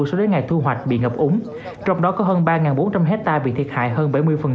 so với ngày thu hoạch bị ngập úng trong đó có hơn ba bốn trăm linh hectare bị thiệt hại hơn bảy mươi